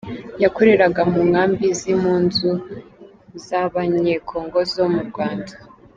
yakoreraga mu nkambi z’impunzi z’abanyekongo zomu Rwanda.